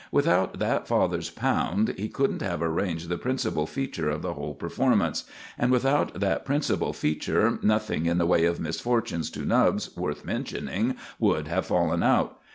Without that father's pound he couldn't have arranged the principal feature of the whole performance; and without that principal feature nothing in the way of misfortunes to Nubbs worth mentioning would have fallen out.